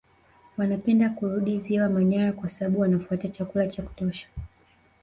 Wanapenda kurudi Ziwa Manyara kwa sababu wanafuata chakula cha kutosha